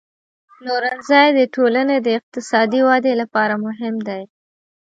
پلورنځی د ټولنې د اقتصادي ودې لپاره مهم دی.